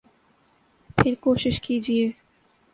پھر کوشش کیجئے